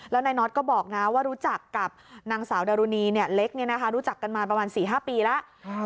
แล้วนายน็อตก็บอกนะว่ารู้จักกับนางสาวดารุณีเล็กรู้จักกันมาประมาณ๔๕ปีแล้ว